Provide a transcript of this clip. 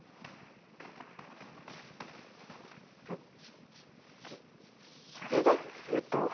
おっそれで封筒？